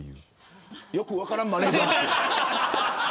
よく分からんマネジャーですよ。